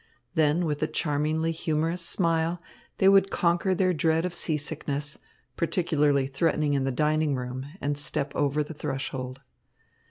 Then, with a charmingly humorous smile, they would conquer their dread of seasickness, particularly threatening in the dining room, and step over the threshold.